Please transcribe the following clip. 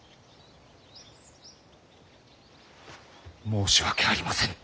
申し訳ありませぬ。